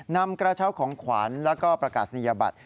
นำกระเช้าของขวัญแล้วก็ประกาศนียบัตร